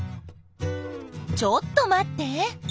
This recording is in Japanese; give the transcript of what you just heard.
ちょっと待って。